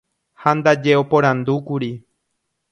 ha ndaje oporandúkuri